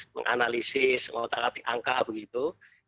menganalisis mengotak atik angka begitu